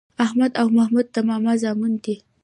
احمد او محمود د ماما زامن دي.